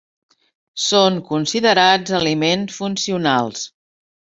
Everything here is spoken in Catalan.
Són considerats aliments funcionals.